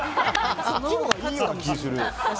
そのほうがいいような気がする。